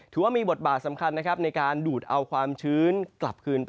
ถือว่ามีบทบาทสำคัญนะครับในการดูดเอาความชื้นกลับคืนไป